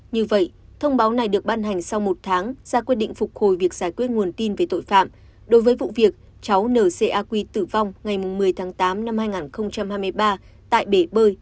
như vậy thông báo này được ban hành sau một tháng ra quyết định phục hồi việc giải quyết nguồn tin về tội phạm đối với vụ việc cháu ncaq tử vong ngày một mươi tháng tám năm hai nghìn hai mươi ba tại bể bơi